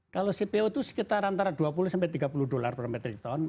kalau cpo itu sekitar antara dua puluh sampai tiga puluh dolar per metri ton